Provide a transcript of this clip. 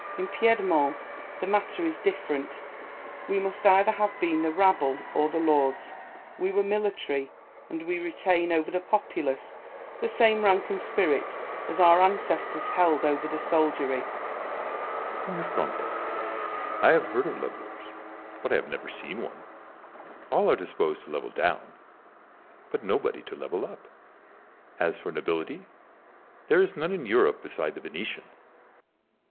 In Piedmont the matter is different : we must either have been the rabble or the lords ; we were military, and we retain over the populace the same rank and spirit as our ancestors held over the soldiery, Salomon. Signor Conte, I have heard of levellers, but I have never seen one: all are disposed to level down, but nobody to level up. As for nobility, there is none in Europe beside the Venetian.